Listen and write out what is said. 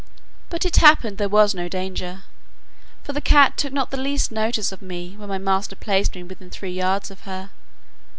But it happened there was no danger, for the cat took not the least notice of me when my master placed me within three yards of her.